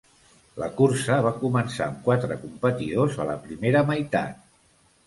La cursa va començar amb quatre competidors a la primera meitat.